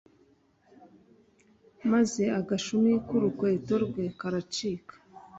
maze agashumi k urukweto rwe karacika